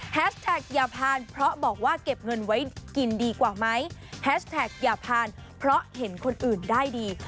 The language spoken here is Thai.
แท็กอย่าผ่านเพราะบอกว่าเก็บเงินไว้กินดีกว่าไหมแฮชแท็กอย่าผ่านเพราะเห็นคนอื่นได้ดี